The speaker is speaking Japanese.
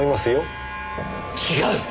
違う！